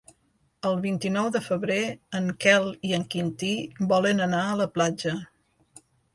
El vint-i-nou de febrer en Quel i en Quintí volen anar a la platja.